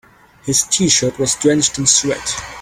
His t-shirt was drenched in sweat.